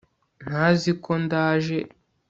ntazi ko ndaje